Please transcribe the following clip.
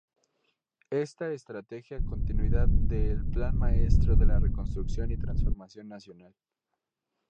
Esta estrategia continuidad de el Plan Maestro de la Reconstrucción y Transformación Nacional.